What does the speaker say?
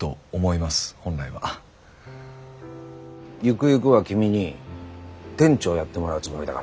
ゆくゆくは君に店長やってもらうつもりだから。